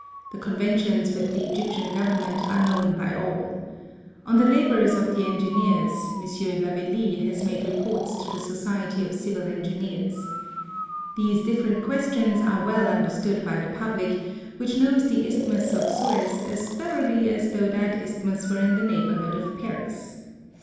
The con ventions with the Egyptian Government are known by all. On the labours of the engineers, M. Lavelley has made reports to the Society of Civil Engineers. These dif ferent questions are well understood by the public, which knows the Isthmus of Suez as thoroughly as though that isthmus were in the neighbourhood of Paris.